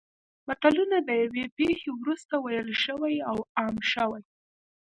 متلونه د یوې پېښې وروسته ویل شوي او عام شوي